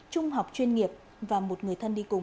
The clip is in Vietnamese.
trung học chuyên nghiệp và một người thân đi cùng